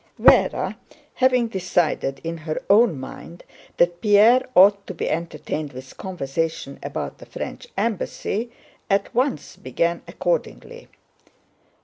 Véra, having decided in her own mind that Pierre ought to be entertained with conversation about the French embassy, at once began accordingly.